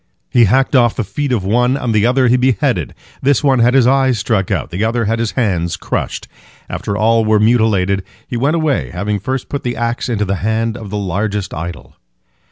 He hacked off the feet of one, and the other he beheaded. This one had his eyes struck out, the other had his hands crushed. After all were mutilated, he went away, having first put the axe into the hand of the largest idol.